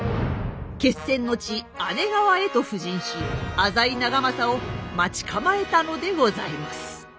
決戦の地姉川へと布陣し浅井長政を待ち構えたのでございます。